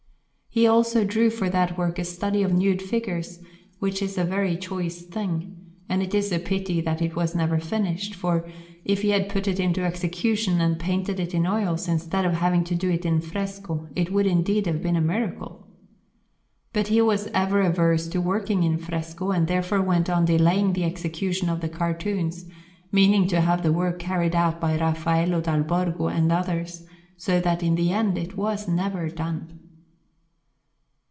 He also drew for that work a study of nude figures, which is a very choice thing; and it is a pity that it was never finished, for, if he had put it into execution and painted it in oils, instead of having to do it in fresco, it would indeed have been a miracle. But he was ever averse to working in fresco, and therefore went on delaying the execution of the cartoons, meaning to have the work carried out by Raffaello dal Borgo and others, so that in the end it was never done.